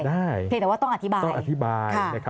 เพราะแต่ว่าต้องอธิบาย